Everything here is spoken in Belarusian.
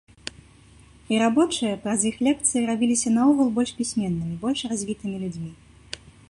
І рабочыя праз іх лекцыі рабіліся наогул больш пісьменнымі, больш развітымі людзьмі.